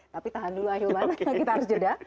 tapi tahan dulu ahilman kita harus jeda